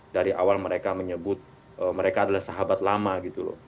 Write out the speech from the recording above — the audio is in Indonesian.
dari awal mereka menyebut mereka adalah sahabat lama gitu loh